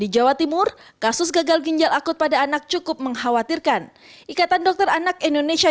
di jawa timur kasus gagal ginjal akut pada anak cukup mengkhawatirkan ikatan dokter anak indonesia